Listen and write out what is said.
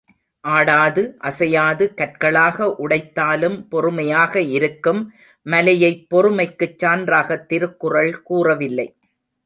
ஆடாது, அசையாது கற்களாக உடைத்தாலும் பொறுமையாக இருக்கும் மலையைப் பொறுமைக்குச் சான்றாகத் திருக்குறள் கூறவில்லை.